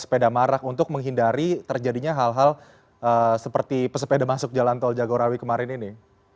sepeda marak untuk menghindari terjadinya hal hal seperti pesepeda masuk jalan tol jagorawi kemarin ini